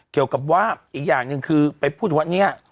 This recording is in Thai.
เกี่ยวกับว่าอีกอย่างหนึ่งคือไปพูดถึงว่าเนี่ย